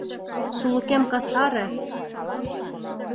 Сулыкем касаре!..